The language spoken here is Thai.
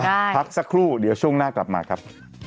พักสักครู่เดี๋ยวช่วงหน้ากลับมาครับ